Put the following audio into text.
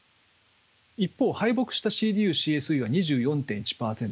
一方敗北したＣＤＵ／ＣＳＵは２４．１％。